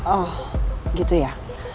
oh gitu ya